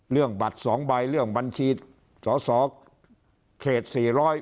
เรื่องบัตรสองใบเรื่องบัญชีสอสอเขตสี่ร้อย